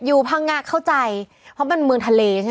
พังงะเข้าใจเพราะมันเมืองทะเลใช่ไหม